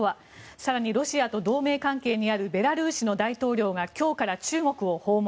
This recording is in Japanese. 更に、ロシアと同盟関係にあるベラルーシの大統領が今日から中国を訪問。